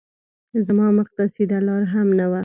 زما مخ ته سیده لار هم نه وه